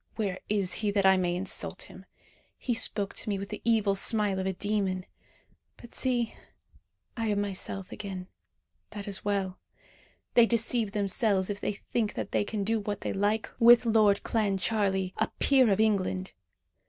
Where is he, that I may insult him? He spoke to me with the evil smile of a demon. But see I am myself again. That is well. They deceive themselves if they think that they can do what they like with Lord Clancharlie, a peer of England.